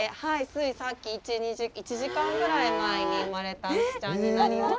ついさっき１時間ぐらい前に生まれた牛ちゃんになります。